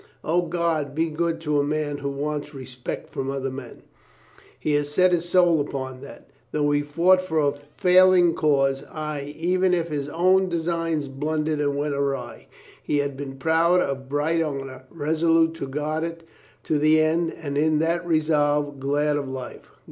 O, God be good to a man who wants respect from other men ! He had set his soul upon that. Though he fought for a failing cause, ay, even if his own designs blundered and went awry, he had been proud of bright honor, resolute to guard it to the end, and in that resolve glad of life.